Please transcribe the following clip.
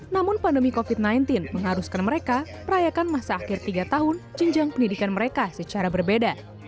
namun pandemi covid sembilan belas mengharuskan mereka merayakan masa akhir tiga tahun jenjang pendidikan mereka secara berbeda